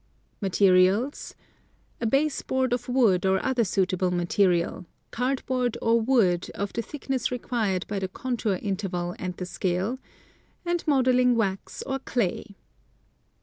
Materials : a base board of wood or other suitable material ; card board or wood of the thickness required by the contour interval and the scale ; and modeling wax or clay.